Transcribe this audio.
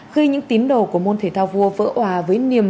khi những tín đồ của môn thể thao vua vỡ hòa với niềm